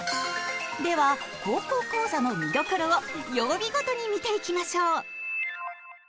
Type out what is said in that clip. では「高校講座」の見どころを曜日ごとに見ていきましょう！